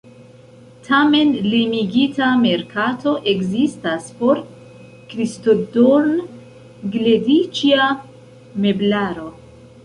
Tamen, limigita merkato ekzistas por kristodorn-glediĉia meblaro.